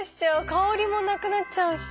香りもなくなっちゃうし。